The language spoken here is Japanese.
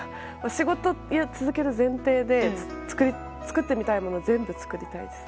仕事を続ける前提で作ってみたいものを全部作りたいです。